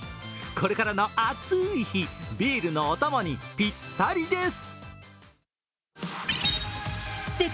これからの暑い日、ビールのお供にぴったりです。